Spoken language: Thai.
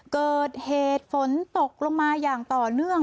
เกิดเหตุฝนตกลงมาอย่างต่อเนื่อง